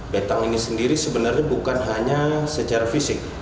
betang ini sendiri sebenarnya bukan hanya secara fisik